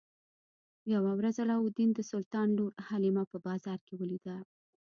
یوه ورځ علاوالدین د سلطان لور حلیمه په بازار کې ولیده.